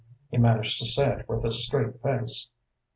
He managed to say it with a straight face.